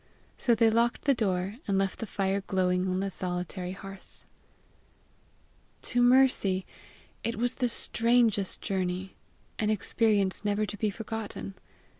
So they locked the door, and left the fire glowing on the solitary hearth. To Mercy it was the strangest journey an experience never to be forgotten.